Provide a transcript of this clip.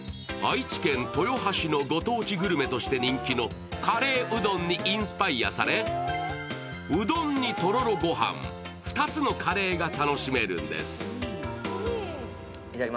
愛知県豊橋のご当地グルメとして人気のカレーうどんにインスパイアされ、うどんにとろろごはん、２つのカレーが楽しめるんです。